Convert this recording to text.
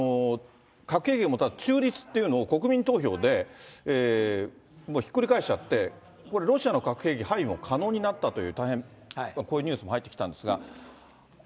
核兵器持ったら中立っていうのを国民投票でひっくり返しちゃって、ロシアの核兵器配備も可能になったという大変こういうニュースも入ってきたんですが。